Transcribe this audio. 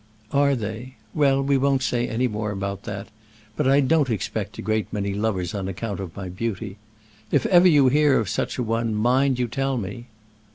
"Are they? Well, we won't say more about that; but I don't expect a great many lovers on account of my beauty. If ever you hear of such an one, mind you tell me."